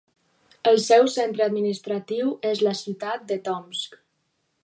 El seu centre administratiu és la ciutat de Tomsk.